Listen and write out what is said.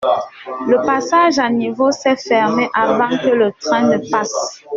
Le passage à niveau s’est fermé avant que le train ne passe.